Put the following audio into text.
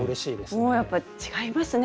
もうやっぱり違いますね